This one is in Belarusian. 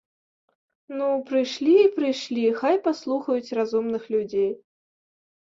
Ну, прыйшлі і прыйшлі, хай паслухаюць разумных людзей.